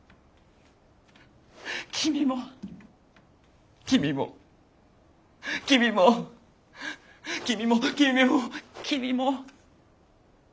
君も君も君も君も君も君も。